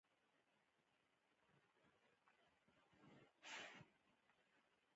استبداد د استبداد د نقش په مانا پېژني.